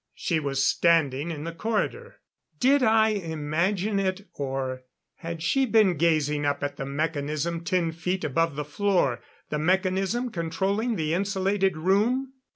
She was standing in the corridor. Did I imagine it, or had she been gazing up at the mechanism ten feet above the floor the mechanism controlling the insulated room?